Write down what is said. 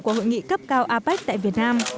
của hội nghị cấp cao apec tại việt nam